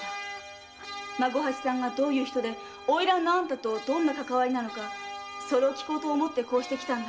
孫八さんがどういう人で花魁のあんたとどんな関係なのかそれを聞こうと思ってこうして来た。